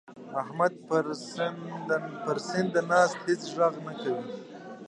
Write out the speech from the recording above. احمد پړسنده ناست؛ هيڅ ږغ نه کوي.